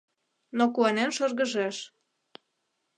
Но куанен шыргыжеш.